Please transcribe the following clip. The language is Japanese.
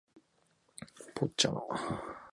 ポッチャマ